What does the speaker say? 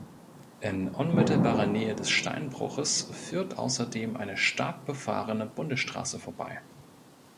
In unmittelbarer Nähe des Steinbruches führt außerdem eine stark befahrene Bundesstraße vorbei.